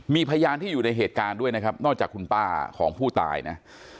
มีพยานที่อยู่ในเหตุการณ์ด้วยนะครับนอกจากคุณป้าของผู้ตายนะ